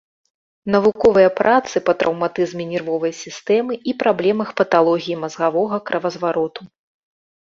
Навуковыя працы па траўматызме нервовай сістэмы і праблемах паталогіі мазгавога кровазвароту.